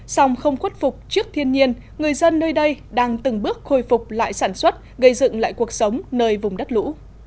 sòng không khuất phục trước thiên nhiên người dân nơi đây đang từng bước khôi phục lại sản xuất gây dựng lại cuộc sống nơi vùng đất lũ